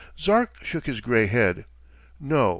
Zark shook his grey head. "No.